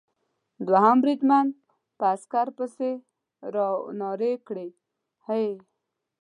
دوهم بریدمن په عسکر پسې را و نارې کړې: هې!